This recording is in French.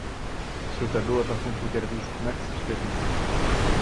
Ce tableau appartint au galeriste Max Stern.